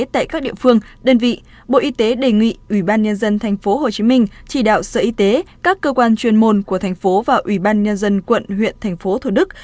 tại các địa phương đơn vị bộ y tế đề nghị ubnd tp hcm chỉ đạo sở y tế các cơ quan chuyên môn của thành phố và ubnd quận huyện thành phố thổ đức